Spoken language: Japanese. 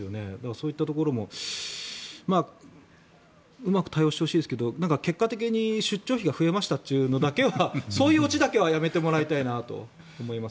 そういったところもうまく対応してほしいですが結果的に出張費が増えましたというのだけはそういうオチだけはやめてもらいたいなと思います。